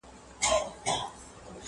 د کښتۍ د چلولو پهلوان یې.!